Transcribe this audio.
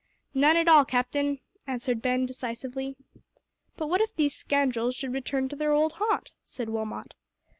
"None at all, Captain," answered Ben decisively. "But what if these scoundrels should return to their old haunt?" said Wilmot.